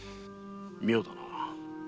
妙だな。